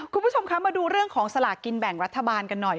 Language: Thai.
คุณผู้ชมคะมาดูเรื่องของสลากกินแบ่งรัฐบาลกันหน่อย